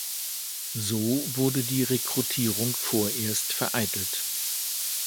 So wurde die Rekrutierung vorerst vereitelt.